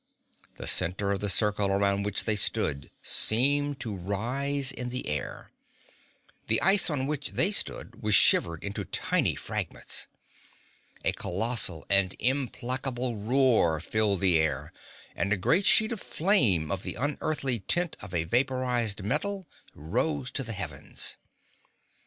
The center of the circle around which they stood seemed to rise in the air. The ice on which they stood was shivered into tiny fragments. A colossal and implacable roar filled the air, and a great sheet of flame of the unearthly tint of a vaporized metal rose to the heavens.